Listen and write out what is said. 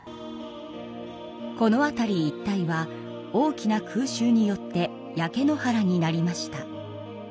この辺り一帯は大きな空襲によって焼け野原になりました。